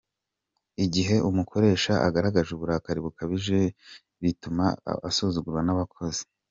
Igihe umukoresha agaragaje uburakari bukabije ku kazi bituma asuzugurwa n’abakozi.